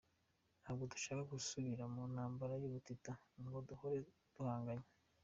Ntabwo dushaka gusubira mu ntambara y’ubutita ngo duhore duhanganye.